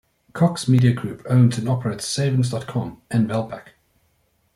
Cox Media Group owns and operates Savings dot com and Valpak.